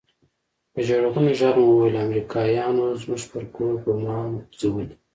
په ژړغوني ږغ مې وويل امريکايانو زموږ پر کور بمان غورځولي.